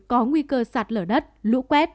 có nguy cơ sạt lở đất lũ quét